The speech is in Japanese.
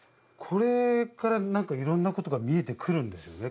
これから何かいろんなことが見えてくるんですよね？